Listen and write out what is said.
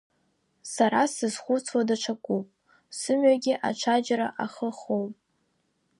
Сара сзызхәыцуа даҽакуп, сымҩагьы аҽаџьара ахы хоуп.